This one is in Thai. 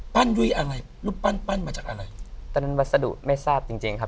ด้วยอะไรรูปปั้นปั้นมาจากอะไรตอนนั้นวัสดุไม่ทราบจริงจริงครับ